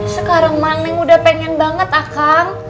sekarang mah neng udah pengen banget akang